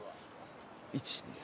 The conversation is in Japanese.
１２３